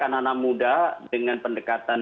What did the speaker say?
anak anak muda dengan pendekatan